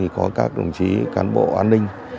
có các đồng chí cán bộ an ninh